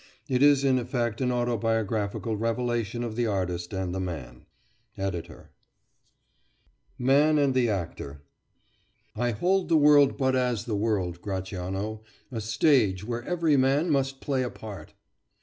It is in effect an autobiographical revelation of the artist and the man. ED.] MAN AND THE ACTOR I hold the world but as the world, Gratiano, A stage where every man must play a part.